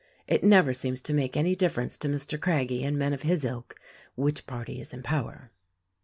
It never seems to make any difference to Mr. Craggie and men of his ilk, which party is in power."